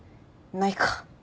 ないか。